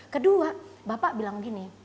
kedua bapak bilang gini